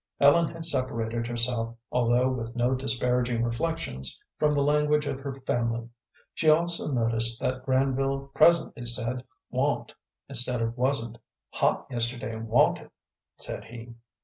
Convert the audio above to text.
Ellen had separated herself, although with no disparaging reflections, from the language of her family. She also noticed that Granville presently said "wa'n't" instead of "wasn't." "Hot yesterday, wa'n't it?" said he.